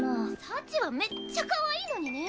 幸はめっちゃかわいいのにね！